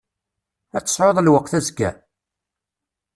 Ad tesεuḍ lweqt azekka?